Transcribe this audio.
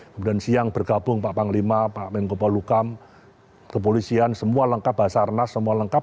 kemudian siang bergabung pak panglima pak menko polukam kepolisian semua lengkap basarnas semua lengkap